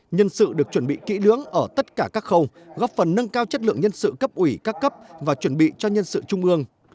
nhân sự được chuẩn bị kỹ lưỡng ở tất cả các khâu góp phần nâng cao chất lượng nhân sự cấp ủy các cấp và chuẩn bị cho nhân sự trung ương